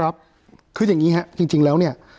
ครับคืออย่างนี้ครับจริงแล้วเนี่ย